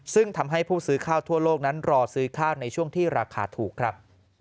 ซึ่งทำให้ผู้ซื้อข้าวทั่วโลกนั้นรอซื้อข้าวในช่วงที่ราคาถูกครับ